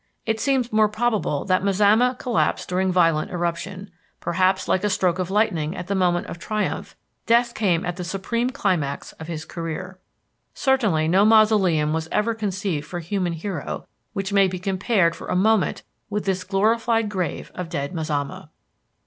It seems more probable that Mazama collapsed during violent eruption. Perhaps like a stroke of lightning at the moment of triumph, death came at the supreme climax of his career. Certainly no mausoleum was ever conceived for human hero which may be compared for a moment with this glorified grave of dead Mazama!